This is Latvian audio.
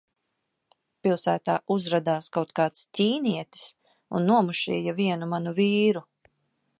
Pilsētā uzradās kaut kāds ķīnietis un nomušīja vienu manu vīru.